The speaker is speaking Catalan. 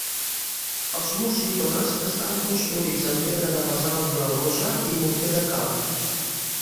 Els murs i torres estan construïts amb pedra de basalt blavosa i morter de calç.